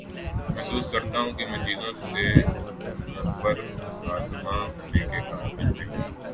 محسوس کرتا ہوں کہ میں چیزوں سے نبرد آزما ہونے کے قابل نہی